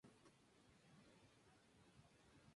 Ella cantó "I Remember it Well" con Maurice Chevalier.